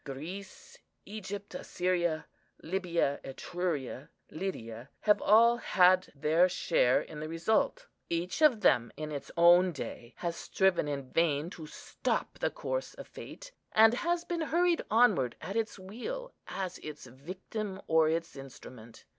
Greece, Egypt, Assyria, Libya, Etruria, Lydia, have all had their share in the result. Each of them, in its own day, has striven in vain to stop the course of fate, and has been hurried onwards at its wheels as its victim or its instrument.